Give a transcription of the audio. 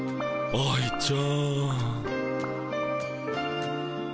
愛ちゃん。